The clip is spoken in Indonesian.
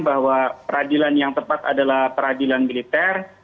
bahwa peradilan yang tepat adalah peradilan militer